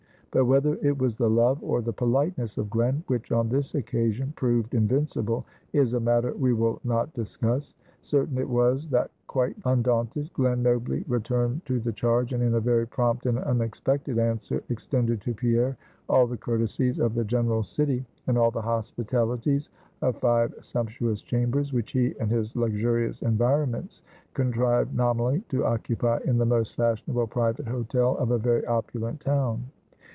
But whether it was the love or the politeness of Glen, which on this occasion proved invincible, is a matter we will not discuss. Certain it was, that quite undaunted, Glen nobly returned to the charge, and in a very prompt and unexpected answer, extended to Pierre all the courtesies of the general city, and all the hospitalities of five sumptuous chambers, which he and his luxurious environments contrived nominally to occupy in the most fashionable private hotel of a very opulent town.